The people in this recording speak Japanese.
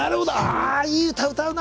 いい歌、歌うな！